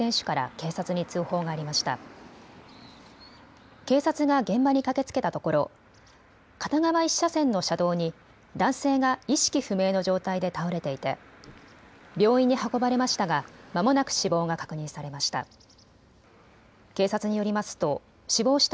警察が現場に駆けつけたところ片側１車線の車道に男性が意識不明の状態で倒れていて病院に運ばれましたがまもなく死亡が確認されました。